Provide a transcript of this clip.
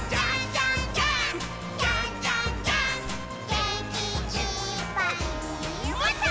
「げんきいっぱいもっと」